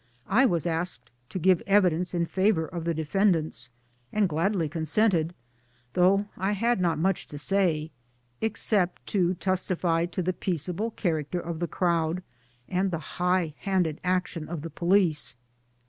I was asked to give evidence in favour of the defendants, and gladly consented though I had not much to say, except to testify to the peaceable character of the crowd and the high handed action of the police.